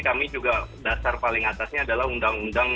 kami juga dasar paling atasnya adalah undang undang